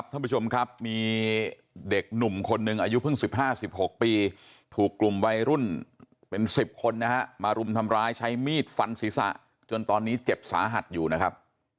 ท่านผู้ชมครับมีเด็กหนุ่มคนหนึ่งอายุเพิ่ง๑๕๑๖ปีถูกกลุ่มวัยรุ่นเป็น๑๐คนนะฮะมารุมทำร้ายใช้มีดฟันศีรษะจนตอนนี้เจ็บสาหัสอยู่นะครับ